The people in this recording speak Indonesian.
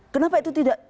kenapa itu tidak